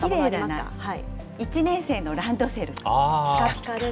１年生のランドセル。